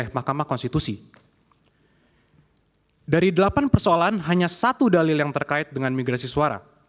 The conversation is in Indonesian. mahkamah konstitusi dari delapan persoalan hanya satu dalil yang terkait dengan migrasi suara